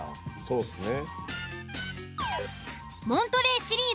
そうっすね。